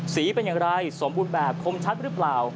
เป็นอย่างไรสมบูรณ์แบบคมชัดหรือเปล่า